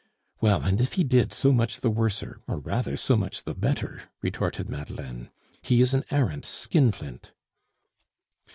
"Well, and if he did, so much the worser, or rather so much the better," retorted Madeleine. "He is an arrant skinflint."